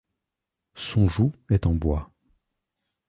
Son joug est en bois.